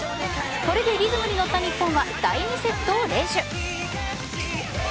これでリズムに乗った日本は第２セットを連取。